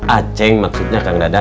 aceh maksudnya kang dadah